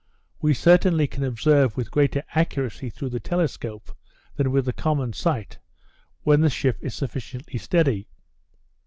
We certainly can observe with greater accuracy through the telescope, than with the common sight, when the ship is sufficiently steady.